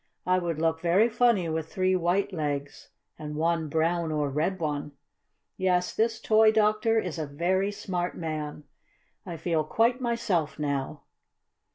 "I would look very funny with three white legs and one brown or red one. Yes, this toy doctor is a very smart man. I feel quite myself now."